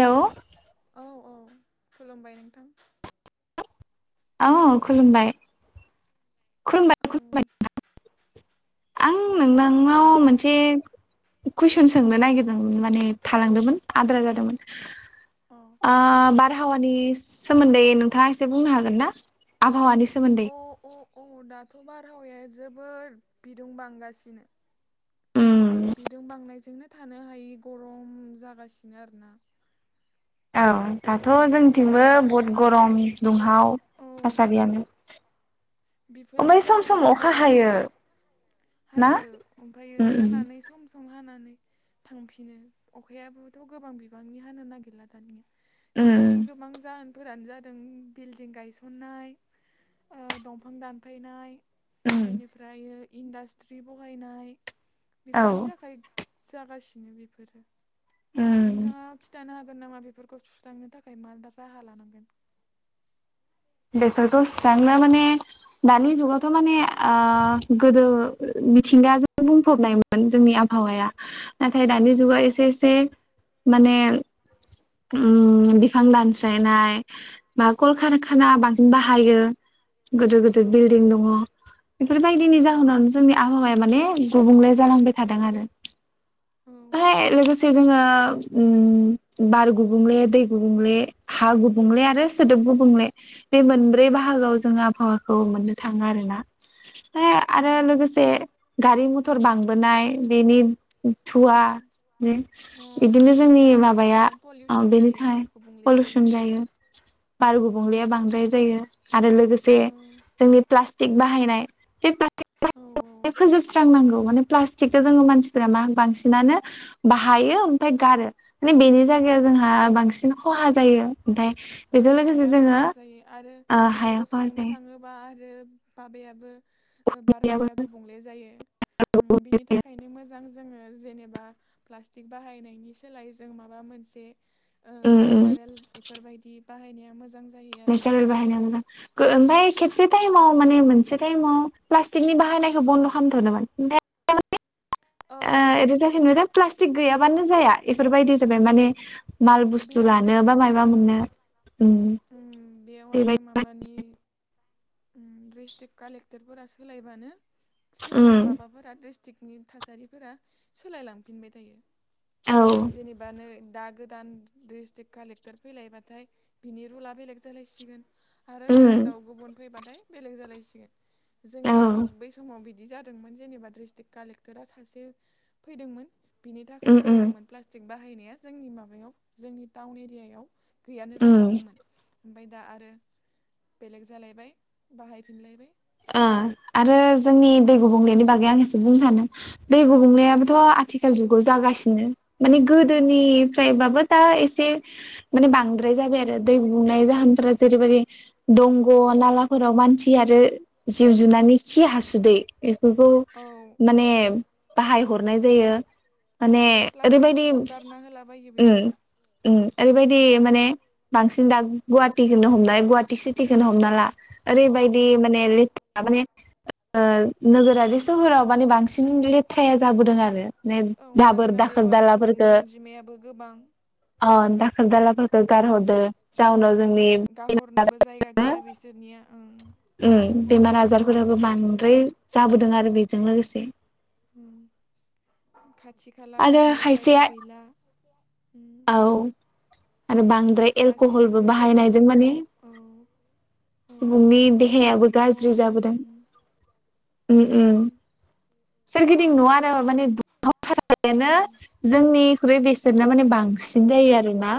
Hello औ औ खुलुमबाय नोंथां अ खुलुमबाय खुलुमबाय अ खुलुमबाय आं नोंदांनाव मोनसे कुइसन सोंनो नागिरदोंमोन माने था थालांदोंमोन औ आद्रा जादोंमोन औ ओ बार हावानि सोमोन्दै नोंथांङा एसे बुंनो हागोन ना? आबहावानि सो अ अ अ दाथ बारहावाया जोबोद बिदुं बांगासिनो उम जोंनो थानो हायि गरम जागासिनो आरोना। औ दाथ जोंथिंबो बारफोरा बहुत गरम दुंहाव औ थासारियानो बेफोरनि ओमफ्राय सम सम जाहोनानो अखा जादों हायो ना हायो ओमफायो उम उम हानानै सम सम सम हानानै थांफिनो अखायाबोथ गोबां बिबांनि हानो नागिरला दानिया। बेफोरनि उम गोबां जाहोनफोरानो जादों बिल्ड दिं गायसननाय ओ दंफां दानफायनाय उम इनिफ्रायो इन्डास्ट्रि बहायनाय औ बेफोरनि थाखाय जागासिनो बेफोरो उम नोंथांङा खिथानो हा गोन नामा बेफोरखौ सुस्रांनो थाखाय मा दा राहा लानांगोन। बेफोरखौ सुस्रांनो माने दानि जुगावथ माने ओ गोदो मिथिंगाजों बुंफबनायमोन जोंनि आब हावाया नाथाय औ दानि जुगा औ एसे एसे माने ओम बिफां दानस्रायनाय बा कल कारखाना बांसिन बाहायो। गोदोर गोदोर औ बिल्डिं दंङ बेफोरबायदिनि ओं जाहोनावनो जोंनि आबहावाया माने गुबुंले जालांबाय थादों आरो औ फाय लोगोसे जोंङो ओ ओम बार गुबुंले दै गुबुंले हा गुबुंले आरो सोदोब गुबुंले बे मोनब्रै बाहा गोआव जोंङो आबहावाखौ मोननो थांङो आरो ना। थाय आरो लोगोसे गारि मथर बांबोनाय बेनि ओं थुवानो औ अ इदिनो बिनि जोंनि थाखाय माबाया गोबां पलिउसन बेनि जायो थाखाय गुबुंले पलुसन जायो। बार गुबुंलेया उम बांद्राय जायो आरो लोगोसे औ जोंनि प्ला स्टिक बाहायनाय बे प्लास्टिक औ बाहायनायखौ फोजोबस्रांनांगौ माने प्लास्टिकखो जोंङो मानसिफोरा मा बांसिनानो बाहायो ओमफाय गारो माने बेनि जाग गायाव जोंहा बांसिन खहा जायो ओमफाय हाया खहा जायो आरो हाया बेफोरखौ खहा सावनो जायो थांङोबा आरो बाबायाबो ओ बारहावाया गुबुंले जायो। ओम बिनि थाखायनो मोजां जोंङो जेनेबा प्लास्टिक बाहायनायनि सोलाय जों माबा मोनसे ओ उम उम नेचारेल बेफोरबायदि बाहायनाया मोजां जायो आरो [unintelligible] गो ओमफाय खेबसे टाइमाव माने मोनसे टाइमाव प्लास्टिकनि बाहायनायखो बन्द' खालामथ'नोमथदोमोन [unintelligible] औ ओ औ ओरै जाफिनबायदा प्लास्टिक गैयाबानो जाया एफोरबायदि जाबाय माने माल बुस्थु बेयाव लानो बा ड्रिस्टिक मायबा ओं मोननो उम बेयाव आरो बेबायदि माबानि ड्रिस्ट्रिक कालेक्टरफोरा सोलायबानो सोलायदों उम माबाफोरा ड्रिस टिकनि थासारिफोरा सोलायलांफिनबाय थायो। औ जेनेबा नो दा गोदान ड्रिस्टिक कालेक्टर फैलायबाथाय बिनि रुला बेलेग जालायसिगोन। आरो उम नेक्स्टआव गुबुन फैबाथाय बेलेग जालायसिगोन। औ जोंनियाव बै समाव बि दि जादोंमोन जेनेबा ड्रिस्टिक कालेक्टारा सासे फैदोंमोन बिनि थाखाय उम उम सोलायदोंमोन प्लास्टिक बाहायनाया जोंनि माबायाव जोंनि टाउन एरियायाव गैयानो उम जाथ'दोंमोन। ओमफाय दा आरो बेलेक जालायबाय, बाहायफिनलायबाय। आ आरो जोंनि दै गुबुंलेनि बागै आं एसे बुंनो सानो दै औ गुबुंलेयाबोथ' आथिखाल जुगाव जागासिनो। माने औ जागासिनो बहुद गोदोनिफ्रायबाबो दा एसे माने बांद्राय जाबाय आरो दै गुबुंनाय जाहोनफोरा जेरैबायदि दंग' नालाफोराव मानसि आरो जिउ जुनारनि खि हासुदै बेफोरखौ औ औ माने बाहाय हरनाय जायो, माने औ ओरैबायदि प्लास्टिकफोरखौ गारना होलाबायो उम्म बेयावबो आरो उम्म। ओरैबायदि माने बांसिन दा गुवाटिखोनो हमलाय गुवाहाटि सिटिखोनो हमना ला। औ ओरैबायदि माने ले माने ओ नोगोरारि सोहोराव माने बांसिन लेथ्राया जाबोदों आरो। ने औ दाबोर मानोना दाखोर बेयाव आरो दालाफोरखो सुबुंनि अनजिमायाबो गोबां। अ दाखोर दालाफोरखो गारहदो। गाहरनोबो जायगा गैया बिसोरनिया ओं। उम्म बेमार आजारफोराबो बांद्राय जाबोदों आरो बेजों लोगोसे। उम्म [unintelligible] खाथि खाला आरो गारनो जायगा खायसेया गैला, उम्म। माने बांद्राय एलक'हलबो बाहायनायजों सोरगिदिं न' माने औ औ सुबुंनि देहायाबो सोरगिदिं गाज्रि न' जाबोदों। उम उम्म उम्म उम सोरगिदिं नुवानो माने दुंहाव औ [unintelligible] जोंनिख्रुइ बेसोरना माने बांसिन जायो आरोना।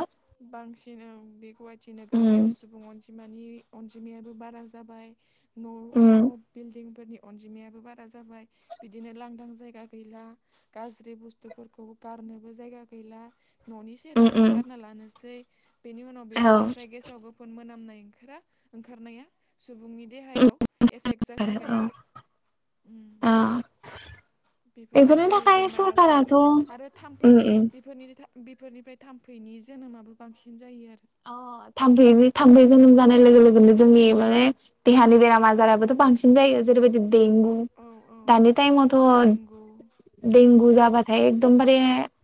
बांसिन ओं बे गुवाहाटि उम नोगोरमायाव सुबुं अनजिमानि अनजिमायाबो बारा जाबाय। न' न' उम बिल्डिं फोरनि अनजिमायाबो बारा जाबाय। बिदिनो लांदां जायगा गैला गाज्रि बुस्थुफोरखौ गारनोबो जायगा गैला। न'नि उम सेरावनो उम गारना लानोसै बेनि उनाव औ बेफोरनिफ्राय गेसाव गोफोन मोनामनाय ओंखारा ओंखारनाया सुबु बुंनि देहायाव एफेक्ट जासिगोन आरो उम्म। ओ बेफोरनि जोहै थाखाय बेमार आजार सरकाराथ' उम आरो थाम्फै उम बेफोरनिनो था बेफोरनिफ्राय थाम्फैनि जोनोमाबो बांसिन जायो। आरो अ थाम्फै थाम्फै जोनोम जानाय लोगो लोगोनो जोंनि माने देहानि बेराम आजाराबोथ' बांसिन जायो जेरैबादि देंगु औ औ दानि टाइमावथ' देंगु देंगु जाबाथाय एकदमबारे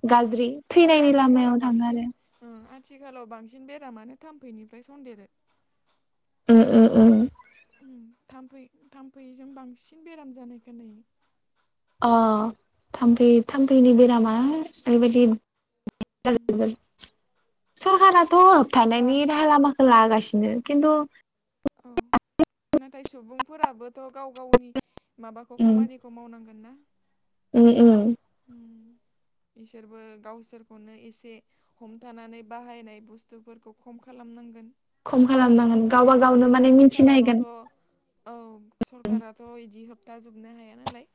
औ गाज्रि आरो थैनायनि लामायाव आथिखालाव थाङो बांसिन आरो। ओं आथिखालाव बांसिन बेरामानो थाम्फैनिफ्राय सन्देरो। उम्म उम्म उम्म। उम्म थाम्फै थाम्फैजों बांसिन बेराम जानाय खोनायो। अह थाम्फै थाम्फैनि उम बेरामा ओरैबादि उम [unintelligible] सरखाराथ' दा होबथानायनि राहा लामाखो लागासि नो खिन्थु औ नाथाय सुबुंफोराबोथ' गाव गावनि माबाखौ खामानिखौ मावनांगोनना। उम्म उम्म। बिसोरबो गावसोरखौनो एसे हमथानानै बाहायनाय बुस्थुफोरखौ खम खालामनांगोन। खम खालामनां मानोना सरखाराल'थ' औ सरखाराथ' इदि होब था जोबनो हाया नालाय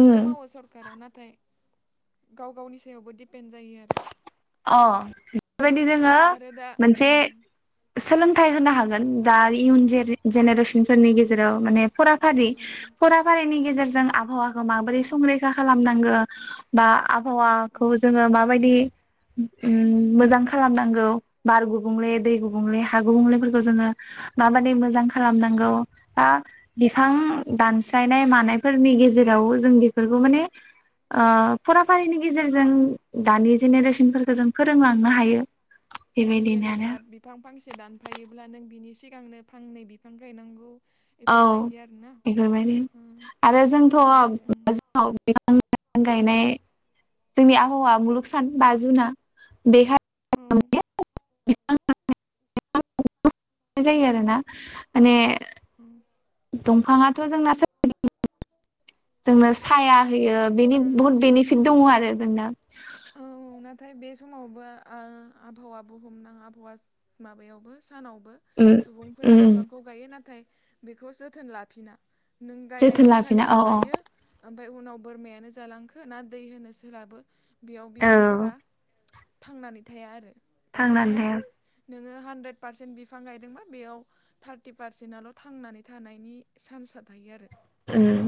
उम मावो सरकारा ना थाय गाव गावनि सायावबो दिडपेन्ड जायो आरो। अ बेबायदि जोङो आरो दा उम मोनसे सोलोंथाइ होनो हागोन दा इयुन जेनेरेसनफोरनि गेजेराव माने फुरा फारि औ फरा फारिनि गेजेरजों उम आबहावाखौ माबोरै संरैखा खालामनांगो बा औ आबहावाखौ जोङो माबायदि उम्म मोजां खालामनांगौ बार गुबुंले दै गुबुंले हा गुबुंलेफोरखौ जोङो माबादि मोजां खालामनांगौ बा बिफां दानस्रायनाय मानायफोरनि गेजेराव यावबो जों बेफोरखौ माने ओ फुराफारिनि गेजेरजों दानि जेनेरेसन फोरख गोजों फोरोंलांनो हायो। औ बेबायदिनो जेनेबा आरो बिफां फांसे दानफायोब्ला नों बिनि सिगांनो फांनै बिफां गायनांगौ। औ इफोरबायदि आरोना इफोरबायदि ओं आरो जोंथ' जेरैबायदि ओं [unintelligible] [unintelligible] गायनाय जोंनि आबहावा मुलुग सान बा जुनआ बे [unintelligible] औ [unintelligible] जायो आरो ना माने औ दंफाङाथ' जोंना [unintelligible] जोंनो साया बे होयो बेनि ओं बहुत बेनिफिट दङ आरो जोंना। औ नाथाय बे समावबो ओ आबहावा बुहमनां आबहावा माबायावबो सानावबो उम सुबुंफोरा उम बिफांखौ गायो नाथाय बेखौ जोथोन लाफिना। नों गायनाय जोथोन लाफिना दिनखालिल' औ औ गायो। ओमफाय उनाव बोरमायानो जालांखो ना दै होनो सोलाबो बेयाव औ बिफांफोरा थांनानै थाया आरो थांनानै थाया बांसिनानो नोङो हानद्रेद पारसेन्ट बिफां गायदोंबा बेयाव थारटि पारसेन्टआल'' थांनानै थानायनि सान्स आ थायो आरो। उम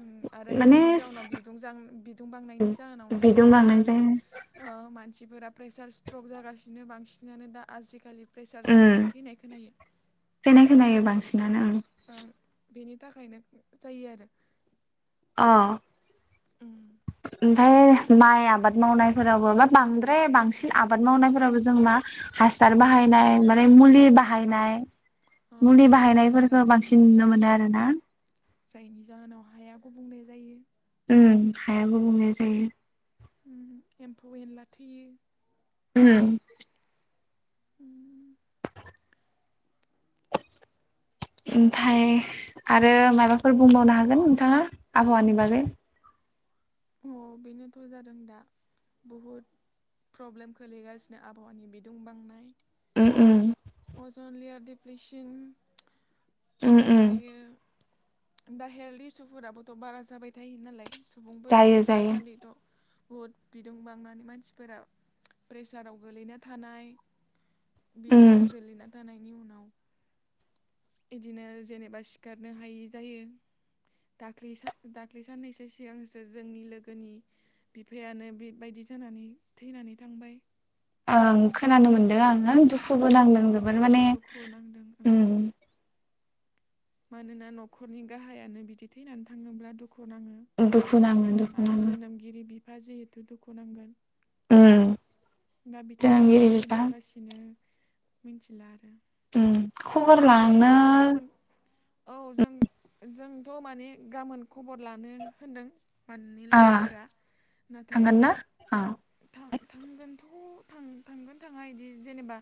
उम आरो माने बेफोरनि जाउनाव बिदुं जां बिदुं बांनायनि जाहोनावनोथ' बिदुं दा आरो बांनायजों ओ ओ मानसिफोरा प्रेसार स्ट्रक जागासिनो बांसिनानो दा आजिकालि प्रेसार उम जानानै थैनाय खोनायो। उम ओं बेनि थाखायनो जायो आरो। अ उम ओमफाय माइ आबाद मावनायफोरावबो बा बांद्राय बांसिन आबाद मावनायफोरावबो जों मा हासार बाहायनाय रासायनारि माने मुलि हासार औ बाहायनाय औ मुलि रासायनारि बाहायनायफोरखो हासार बांसिन मुलि नुनो मोनो आरोना। जायनि जाहोनाव हाया गुबुंले जायो। उम हाया गुबुंले जायो। उम एम्फौ एनला थैयो। उम उम ओमफाय आरो माबाफोर बुंबावनो हागोन नोंथाङा आबहावानि बागै? अ बेनोथ' जादों दा बहुद प्रब्लेम खोलैगासिनो आबहावानि बिदुं बांनाय उम उम अज'न लेयार दिप्रेसोन उम उम ओमफायो दा हेल्थ इसुफोराबोथ' बारा जाबाय थायो नालाय सुबुंफोरनियाव जायो जायो दासान्दिथ' बहुद बिदुं बांनानै मानसिफोरा प्रेसाराव गोलैना थानाय बिदिनो उम गोलैना थानायनि उनाव बिदिनो जेनेबा सिखारनो हायि जायो। दाखलि सा दाखलि साननैसो सिगांसो जोंनि लोगोनि बिफायानो बेबायदि जानानै थैनानै थांबाय। ओं खोनानो मोनदों आङो दुखु खुबो नांदों औ जोबोद माने दुखु नांदों ओं हुम मानोना न'खरनि गाहायानो बिदि थैनानै थाङोब्ला दुखु नाङो। दुखु नाङो दुखु नाङो। दा जिहेथु दुखु नांगोन उम दा बिथाङासो बोरै जों दंगासिनो मिथिला आरो। उम खबर दा जों लांनो ग्रोम गामोन औ जों जों थ' माने गाबोन खबर लानो होनदों। माने आ लोगोफोरा नाथाय थांगोन ना अ थांगोनथ' थ थांगोन थाङा बिदि जेनेबा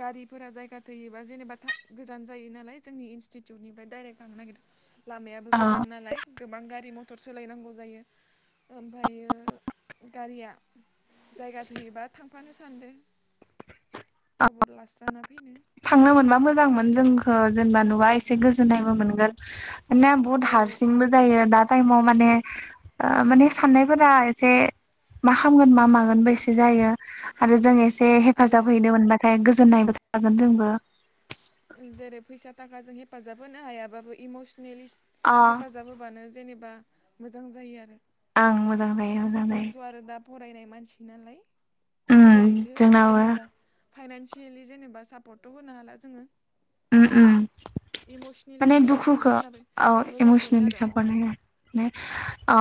गारिफोरा जायगा थोयोबा जेनेबा थां गोजान जायो नालाय जोंनि इनस्टिटिउटनिफ्राय डाइरेक्ट लांनो नागिरदों लामायाबो अ गोजान नालाय। गोबां गारि मथर सोलायनांगौ जायो ओमफायो गारिया जायगा थोयोबा थांफानो सानदों खबर लास्राना फैनो। थांनो मोनबा मोजांमोन जोंखो जेनेबा नुबा एसे गोजोननायबो मोनगोन। ना बुहुत औ हारसिंबो औ जायो दा टाइमाव माने आं माने साननायफोरा एसे मा खामगोन मा मागोनबो एसे जायो। औ आरो जों एसे आरो हेफाजाब हैनो मोनबाथाय गोजोननायबो थागोन जोंबो। जेरै फैसा थाखाजों हेफाजाब होनो हायाबाबो इमसनेलि अ हेफाजाब होबानो जेनेबा मोजां जायो आरो। आं मोजां जायो मोजां जायो। जोंथ' आरो दा फरायनाय मानसि नालाय उम बोरैथो जोंनाबो जेनेबा फाइनानसियेलि जेनेबा सापर्टथ' होनो हाला जोङो। उम उम इमसनेलि माने सापर्ट दुखुखौ खौनो होनानै मोजां मोनो आरो। अ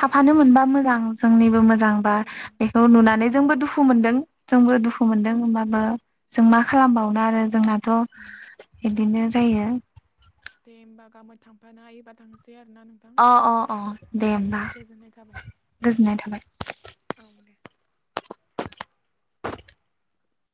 थाफानो मोनबा मोजां जोंनिबो मो मोजांबा औ बेखौ मोजां नुनानै जायो जोंबो दुखु मोनदों। जोंबो दुखु औ मोनदों औ होमबाबो जों मा खालामबावनो आरो जोंनाथ' इदिनो जायो। दे होमबा गाबोन थांफानो हायोबा थांनोसै। अ अ अ दे होमबा गोजोननाय थाबाय। ओं दे।